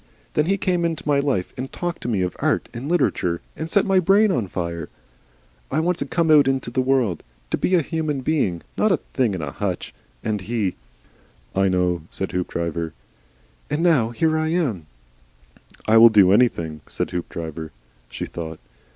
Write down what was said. Then he came into my life, and talked to me of art and literature, and set my brain on fire. I wanted to come out into the world, to be a human being not a thing in a hutch. And he " "I know," said Hoopdriver. "And now here I am " "I will do anything," said Hoopdriver. She thought.